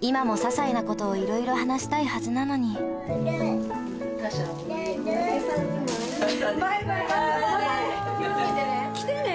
今もささいなことをいろいろ話したいはずなのにバイバイまたね！